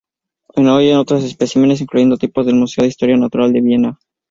Hay otros especímenes, incluyendo tipos en el Museo de Historia Natural de Viena.